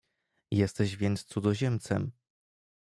"jesteś więc cudzoziemcem."